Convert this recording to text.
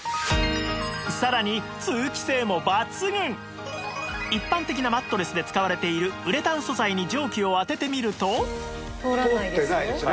さらに一般的なマットレスで使われているウレタン素材に蒸気を当ててみると通らないですよ。